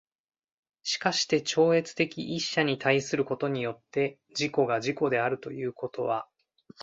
しかして超越的一者に対することによって自己が自己であるということは、